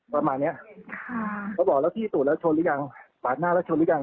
ประมาณเนี้ยค่ะเขาบอกแล้วพี่ตูดแล้วชนหรือยังปาดหน้าแล้วชนหรือยัง